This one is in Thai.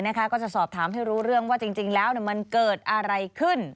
ก็จะสอบถามให้รู้เรื่องว่าจริงแล้วมันเกิดอะไรขึ้น